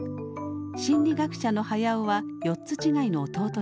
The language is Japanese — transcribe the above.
心理学者の隼雄は４つ違いの弟です。